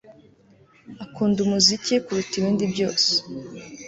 Akunda umuziki kuruta ibindi byose